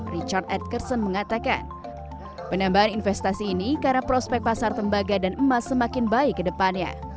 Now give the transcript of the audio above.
richard edgerson mengatakan penambahan investasi ini karena prospek pasar tembaga dan emas semakin baik ke depannya